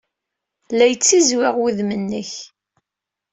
La yettizwiɣ wudem-nnek.